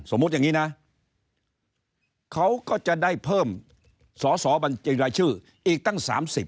อย่างนี้นะเขาก็จะได้เพิ่มสอสอบัญชีรายชื่ออีกตั้ง๓๐